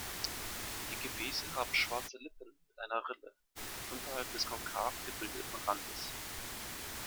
Die Gefäße haben schwarze Lippen mit einer Rille unterhalb des konkav gebildeten Randes.